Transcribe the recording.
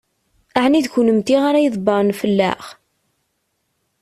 Ɛni d kennemti ara ydebbṛen fell-aɣ?